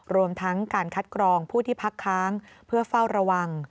รวมทั้งการคัดกรองผู้ที่พักค้างเพื่อเฝ้าระวัง